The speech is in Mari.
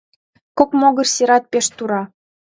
Кок могыр серат пеш тура.